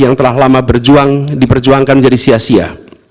yang telah lama berjuang diperjuangkan menjadi sia sia